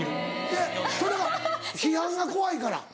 えっそれは批判が怖いから？